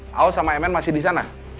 house sama mn masih disana